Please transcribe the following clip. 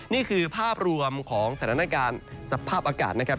นี่คือภาพรวมของสถานการณ์สภาพอากาศนะครับ